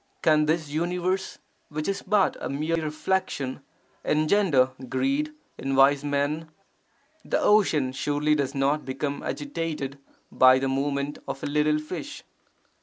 Can this universe, which is but a mere reflection, engender greed in wise men? The ocean surely does not become agitated by the movement of a little fish.